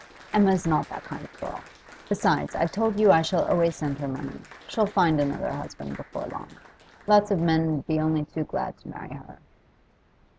'Emma's not that kind of girl. Besides, I've told you I shall always send her money. She'll find another husband before long. Lots of men 'ud be only too glad to marry her.